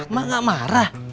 mak gak marah